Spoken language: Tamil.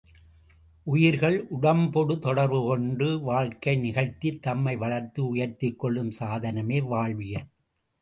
உயிர்கள், உடம்பொடு தொடர்பு கொண்டு வாழ்க்கை நிகழ்த்தித் தம்மை வளர்த்து உயர்த்திக்கொள்ளும் சாதனமே வாழ்வியல்.